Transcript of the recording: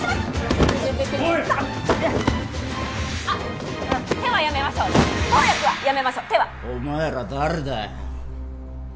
あっ手はやめましょう暴力はやめましょう手はお前ら誰だ？